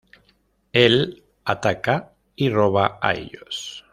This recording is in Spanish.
Él ataca y roba a ellos.